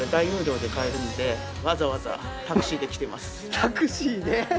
タクシーで？